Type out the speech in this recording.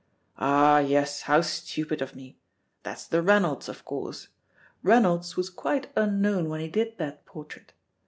"Ah, yes, how stupid of me. That's the Reynolds, of course. Reynolds was quite unknown when he did that portrait.